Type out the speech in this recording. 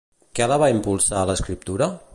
Què la va impulsar a l'escriptura?